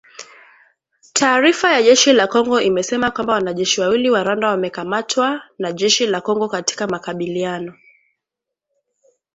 Taarifa ya jeshi la Kongo imesema kwamba wanajeshi wawili wa Rwanda wamekamatwa na jeshi la Kongo katika makabiliano